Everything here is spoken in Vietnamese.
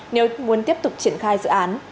nếu muốn tiếp tục triển khai dự án